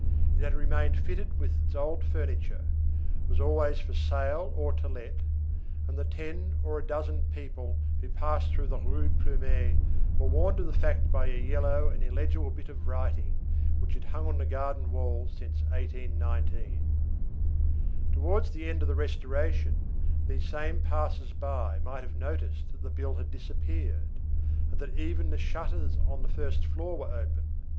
It had remained fitted with its old furniture, was always for sale or to let, and the ten or a dozen people who passed through the Rue Plumet were warned of the fact by a yellow and illegible bit of writing which had hung on the garden wall since 1819. Towards the end of the Restoration, these same passers by might have noticed that the bill had disappeared, and even that the shutters on the first floor were open.